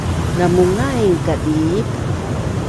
Namungain kadiip